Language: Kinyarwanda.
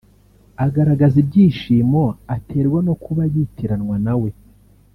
agaragaza ibyishimo aterwa no kuba yitiranwa na we